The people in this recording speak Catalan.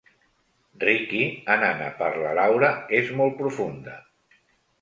Riqui anant a per la Laura és molt profunda.